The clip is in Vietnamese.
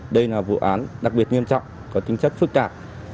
đây là vụ án đặc biệt nghiêm trọng có tính chất phức tạp